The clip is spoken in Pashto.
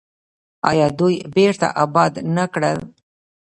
آیا دوی بیرته اباد نه کړل؟